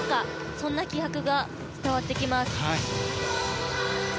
そんな気迫が伝わってきます。